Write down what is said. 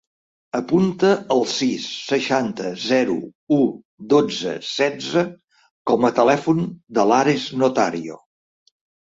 Apunta el sis, seixanta, zero, u, dotze, setze com a telèfon de l'Ares Notario.